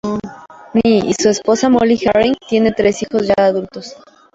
Nye y su esposa, Molly Harding, tienen tres hijos ya adultos.